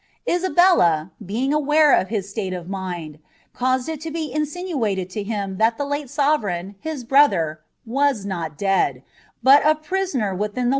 Isabella, being aware of his state of mind, caused it to be insinuated to him tliat the late sovereign, his brother, was not dead, but a prisoner * Walvingham.